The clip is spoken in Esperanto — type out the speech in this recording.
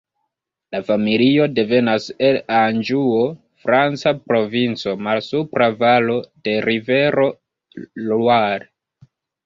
La familio devenas el Anĵuo, franca provinco, malsupra valo de rivero Loire.